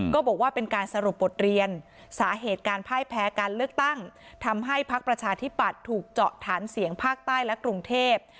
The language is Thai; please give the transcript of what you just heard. ก็บอกว่าเป็นการสรุปบทเรียนสาเหตุการพ่ายแพ้การเลือกตั้งทำให้พักประชาธิปัตย์ถูกเจาะฐานเสียงภาคใต้และกรุงเทพ